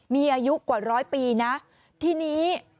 มีอายุกว่า๑๐๐ปีนะที่นี้